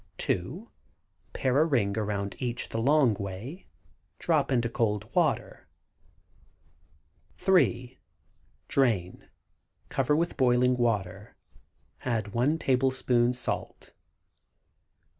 2. Pare a ring around each the long way; drop into cold water. 3. Drain; cover with boiling water; add 1 tablespoon salt.